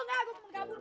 enggak gue mau kabur